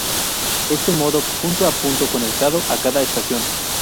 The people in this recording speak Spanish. Este modo punto-a-punto conectado a cada estación.